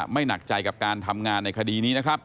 ไม่หนักใจกับการทำงานในคดีนี้